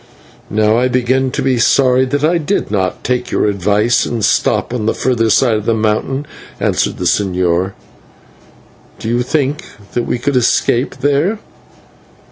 "Now I begin to be sorry that I did not take your advice and stop on the further side of the mountain," answered the señor. "Do you think that we could escape there?"